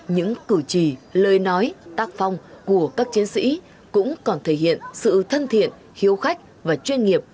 những cử chỉ lời nói tác phong của các chiến sĩ cũng còn thể hiện sự thân thiện hiếu khách và chuyên nghiệp